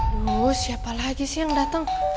bu siapa lagi sih yang datang